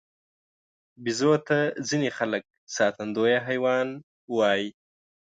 بیزو ته ځینې خلک ساتندوی حیوان وایي.